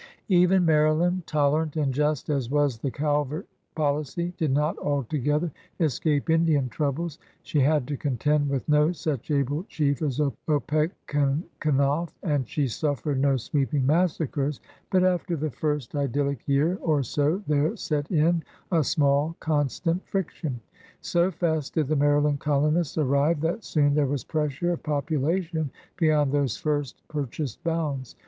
Even Maryland, tolerant and just as was the Calvert policy, did not altogether escape Indian troubles. She had to contend with no such able chief as Opechancanough, and she suffered no sweeping massacres. But after the first idyllic year or so there set in a small, constant friction. So fast did the Maryland colonists arrive that soon there was pressure of population beyond those first purchased bounds.